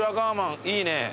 いいね。